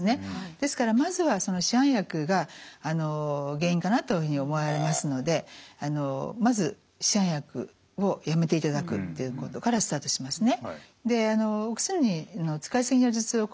ですからまずは市販薬が原因かなというふうに思われますのでまず市販薬をやめていただくということからスタートしますね。